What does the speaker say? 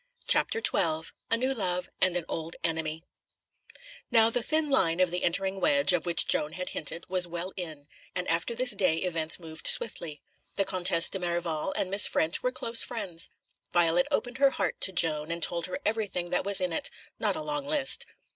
CHAPTER XII A New Love and an Old Enemy Now, the thin end of the entering wedge, of which Joan had hinted, was well in, and after this day events moved swiftly. The Comtesse de Merival and Miss Ffrench were close friends. Violet opened her heart to Joan and told her everything that was in it not a long list.